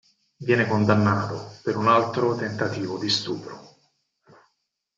Viene condannato per un altro tentativo di stupro.